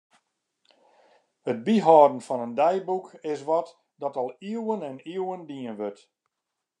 It byhâlden fan in deiboek is wat dat al iuwen en iuwen dien wurdt.